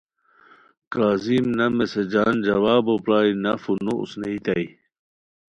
کاظم نہ میسجان جوابو پرائے نہ فونو اوسنئیتائے